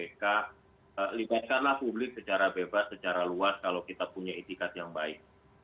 kita libatkanlah publik secara bebas secara luas kalau kita punya itikat yang baik